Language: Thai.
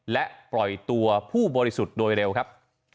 และปล่อยตัวผู้บริสุทธิ์โดยเร็วครับ